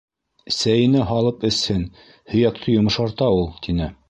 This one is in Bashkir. «Сәйенә һалып эсһен, һөйәкте йомшарта ул», - тине.